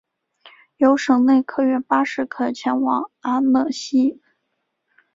有省内客运巴士可前往阿讷西。